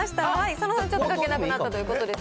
佐野さん、ちょっと書けなくなったということです。